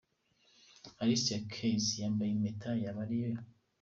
Alicia Keys yambaye impeta, yaba ari iyo .